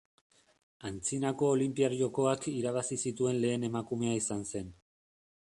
Antzinako Olinpiar Jokoak irabazi zituen lehen emakumea izan zen.